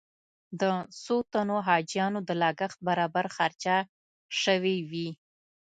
د څو تنو حاجیانو د لګښت برابر خرچه شوې وي.